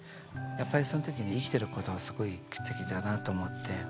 やっぱりそのときに生きてることはすごい奇跡だなと思って。